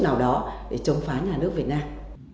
nào đó để chống phá nhà nước việt nam